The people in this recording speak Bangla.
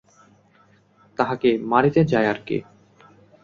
তাহাকে মারিতে যায় আর কি!